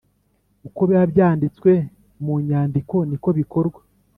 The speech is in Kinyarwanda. uko biba byanditswe mu nyandiko niko bikorwa